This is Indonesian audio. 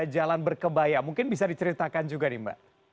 jalan berkebaya mungkin bisa diceritakan juga nih mbak